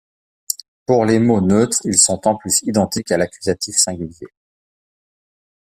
Pour les mots neutres, ils sont en plus identiques à l'accusatif singulier.